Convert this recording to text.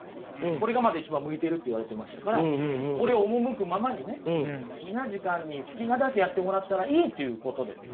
これが一番向いてると言われてましたからこれを赴くままにね好きな時間に好きなだけやってもらったらいいっていうことですよ。